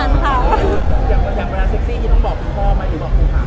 อย่างเมื่อเซ็กซี่ที่ต้องบอกพ่อมั้ยหรือบอกผู้หาง